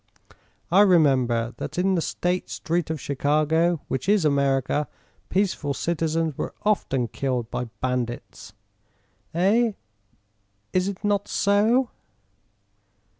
I remember that in the State street of Chicago, which is America, peaceful citizens were often killed by bandits. Eh, is it not so?"